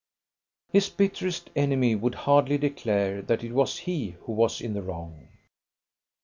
His bitterest enemy would hardly declare that it was he who was in the wrong.